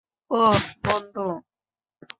অহ, বন্ধু।